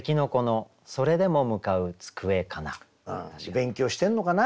勉強してんのかな